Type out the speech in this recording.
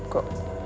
kok ketemu di luar